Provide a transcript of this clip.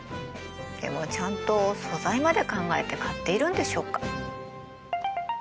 でもちゃんと素材まで考えて買っているんでしょうか？